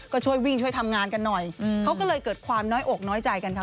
ก็ช่วยวิ่งช่วยทำงานกันหน่อยเขาก็เลยเกิดความน้อยอกน้อยใจกันค่ะ